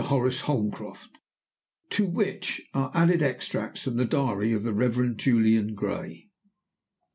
HORACE HOLMCROFT; TO WHICH ARE ADDED EXTRACTS FROM THE DIARY OF THE REVEREND JULIAN GRAY.